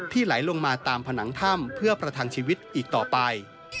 ไหลลงมาตามผนังถ้ำเพื่อประทังชีวิตอีกต่อไป